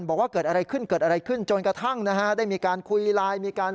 บอกว่าเกิดอะไรขึ้นเกิดอะไรขึ้นจนกระทั่งนะฮะได้มีการคุยไลน์มีการ